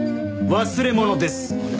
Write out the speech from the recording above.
忘れ物です！